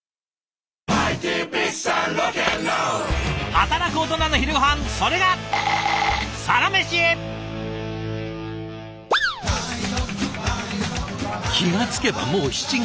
働くオトナの昼ごはんそれが気が付けばもう７月。